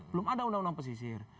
belum ada undang undang pesisir